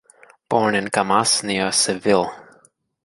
Born in Camas, near Seville.